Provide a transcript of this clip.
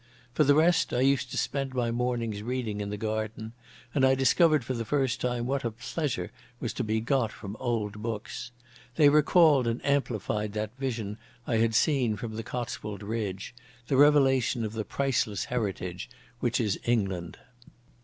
For the rest I used to spend my mornings reading in the garden, and I discovered for the first time what a pleasure was to be got from old books. They recalled and amplified that vision I had seen from the Cotswold ridge, the revelation of the priceless heritage which is England.